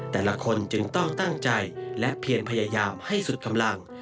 แต่ละคนจึงต้องตั้งใจและเพียงพยายามให้สุดกำลัง